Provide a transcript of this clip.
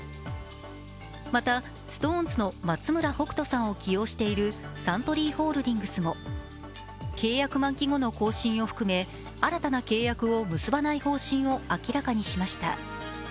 また、ＳｉｘＴＯＮＥＳの松村北斗さんを起用しているサントリーホールディングスも契約満期後の更新を含め、新たな契約を結ばない方針を明らかにしました。